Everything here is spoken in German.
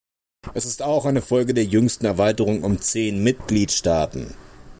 Er ist auch eine Folge der jüngsten Erweiterung um zehn Mitgliedstaaten.